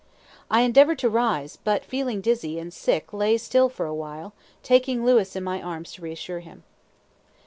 ] I endeavored to rise, but feeling dizzy and sick lay still for a while, taking Louis in my arms to reassure him.